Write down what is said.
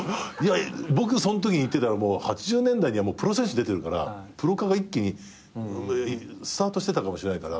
僕そのときに行ってたら８０年代にはプロ選手出てるからプロ化が一気にスタートしてたかもしれないから。